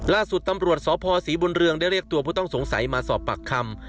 ล่าสุดตำรวจสพศรีบุญเรืองได้เรียกตัวผู้ต้องสงสัยมาสอบปากคำ